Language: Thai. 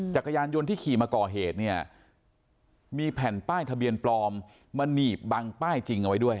จักรยานยนต์ที่ขี่มาก่อเหตุเนี่ยมีแผ่นป้ายทะเบียนปลอมมาหนีบบังป้ายจริงเอาไว้ด้วย